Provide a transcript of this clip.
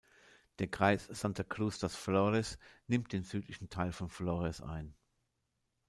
Der Kreis Santa Cruz das Flores nimmt den südlichen Teil von Flores ein.